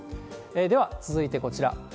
では、続いてこちら。